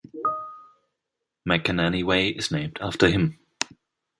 McAnany Way is named after him.